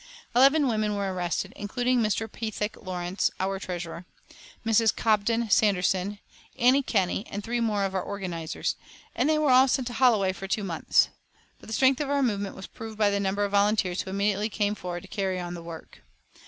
Eleven women were arrested, including Mrs. Pethick Lawrence, our treasurer, Mrs. Cobden Sanderson, Annie Kenney and three more of our organisers; and they were all sent to Holloway for two months. But the strength of our movement was proved by the number of volunteers who immediately came forward to carry on the work.